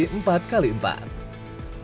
yang berhasil mencapai kelas empat x empat